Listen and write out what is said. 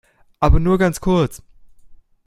Aber nur ganz kurz!